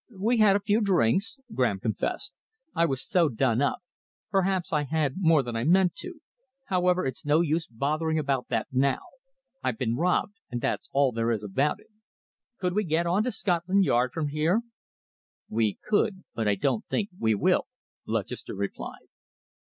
"We had a few drinks," Graham confessed. "I was so done up. Perhaps I had more than I meant to. However, it's no use bothering about that now. I've been robbed, and that's all there is about it. Could we get on to Scotland Yard from here?" "We could, but I don't think we will," Lutchester replied.